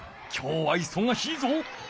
今日はいそがしいぞ。